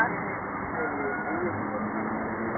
ขอบคุณที่ทำดีดีกับแม่ของฉันหน่อยครับ